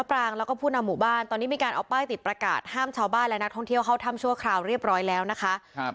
ปราการทำชัวคราวเรียบร้อยแล้วนะครับ